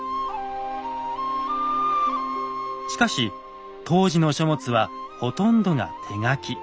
しかし当時の書物はほとんどが手書き。